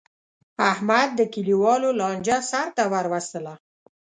احمد د کلیوالو لانجه سرته ور وستله.